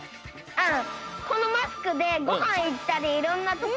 うん。